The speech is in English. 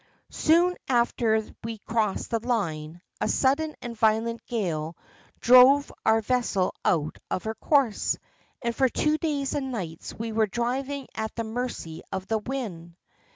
"Soon after we had crossed the Line, a sudden and violent gale drove our vessel out of her course, and for two days and nights we were driving at the mercy of the wind.